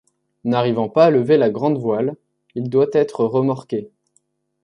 N'arrivant pas à lever la grande voile, il doit être remorqué.